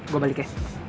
gue balik ya